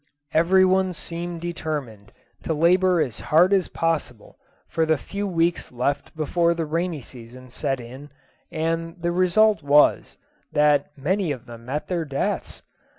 Every one seemed determined to labour as hard as possible for the few weeks left before the rainy season set in, and the result was, that many of them met their deaths.